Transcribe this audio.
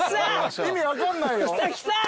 意味分かんないよ。